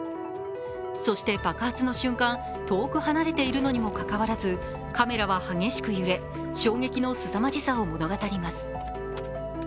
そして、爆発の瞬間、遠く離れているにもかかわらずカメラは激しく揺れ、衝撃のすさまじさを物語ります。